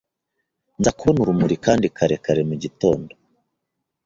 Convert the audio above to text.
Nzakubona urumuri kandi kare kare mugitondo